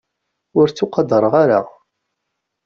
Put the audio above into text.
Ur ttuqadreɣ ara.